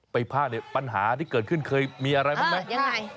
ไปภาคปัญหาที่เกิดขึ้นเคยมีอะไรบ้างไหม